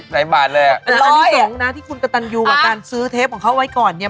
กับเงินการซื้อเทปของเขาไว้ก่อนเนี่ย